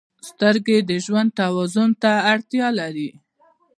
• سترګې د ژوند توازن ته اړتیا لري.